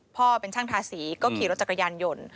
เป็นช่างทาสีก็ขี่รถจักรยานยนต์